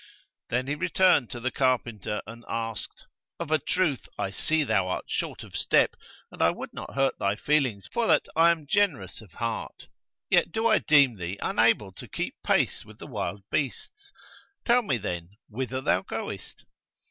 Then he turned to the carpenter and asked, 'Of a truth I see thou art short of step and I would not hurt thy feelings for that I am generous of heart; yet do I deem thee unable to keep pace with the wild beasts: tell me then whither thou goest?'